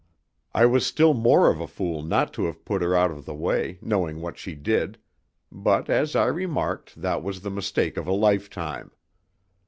I was still more of a fool not to have put her out of the way, knowing what she did but as I remarked, that was the mistake of a lifetime.